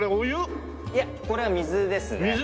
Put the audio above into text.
いやこれは水ですね。